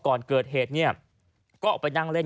ก่อนเกิดเหตุเนี่ยก็ออกไปนั่งเล่น